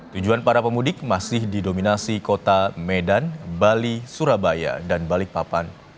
tujuan para pemudik masih didominasi kota medan bali surabaya dan balikpapan